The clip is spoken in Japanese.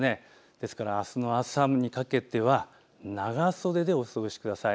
ですから、あすの朝にかけては長袖でお過ごしください。